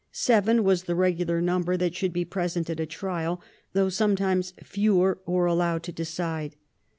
Seven was the regular number that should be present at a trial, though sometimes fewer were allowed to decide.